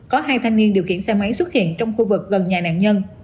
có hai thanh niên điều khiển xe máy xuất hiện trong khu vực gần nhà nạn nhân